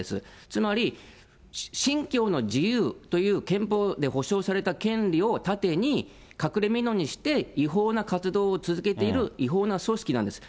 つまり、信教の自由という憲法で保障された権利を盾に、隠れみのにして、違法な活動を続けている違法な組織なんです。